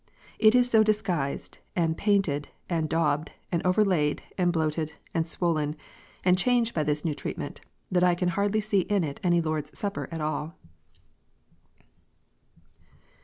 It is so disguised, and painted, and daubed, and overlaid, and bloated, and swollen, and changed by this new treatment, that I can hardly see in it any Lord s Supper at all.